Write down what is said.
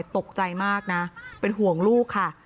ตกใจมากนะเป็นห่วงลูกค่ะ